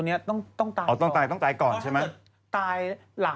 เนี่ยต้องอัดอย่างแรงเลยนะ